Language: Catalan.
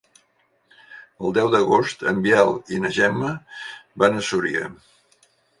El deu d'agost en Biel i na Gemma van a Súria.